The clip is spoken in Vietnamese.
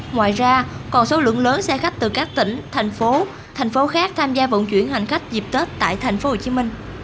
ngoài ra còn số lượng lớn xe khách từ các tỉnh thành phố thành phố khác tham gia vận chuyển hành khách dịp tết tại tp hcm